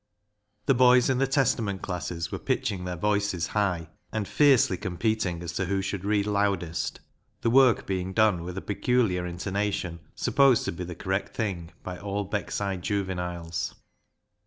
The boys in the Testament classes were pitching their voices high, and fiercely com peting as to who should read loudest, the work being done with a peculiar intonation supposed to be the correct thing by all Beck side juveniles.